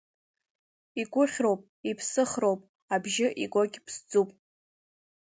Игәыхьроуп, иԥсхыхроуп, абжьы игогь ԥсӡуп.